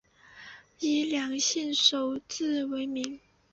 以两县首字为名。